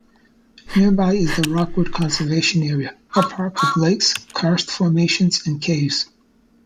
Nearby is the Rockwood Conservation Area, a park with lakes, karst formations and caves.